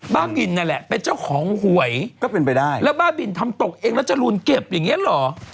บ้าบินนั่นแหละเป็นเจ้าของหวยก็เป็นไปได้แล้วบ้าบินทำตกเองแล้วจรูนเก็บอย่างเงี้เหรอ